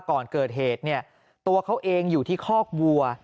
ก่อนเกิดเหตุเนี่ยตัวเขาเองอยู่ที่คอกวัว